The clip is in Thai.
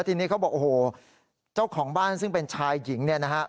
ทีนี้เขาบอกโอ้โหเจ้าของบ้านซึ่งเป็นชายหญิงเนี่ยนะฮะ